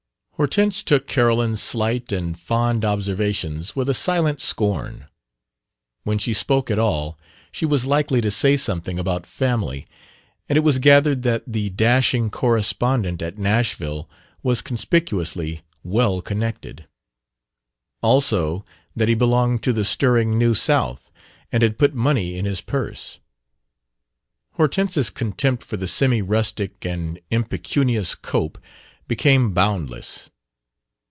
Hortense took Carolyn's slight and fond observations with a silent scorn. When she spoke at all, she was likely to say something about "family"; and it was gathered that the dashing correspondent at Nashville was conspicuously "well connected." Also, that he belonged to the stirring New South and had put money in his purse. Hortense's contempt for the semi rustic and impecunious Cope became boundless.